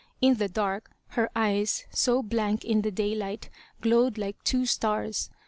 In the dark, her eyes, so blank in the day light, glowed like two stars.